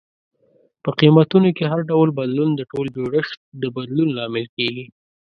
په قیمتونو کې هر ډول بدلون د ټول جوړښت د بدلون لامل کیږي.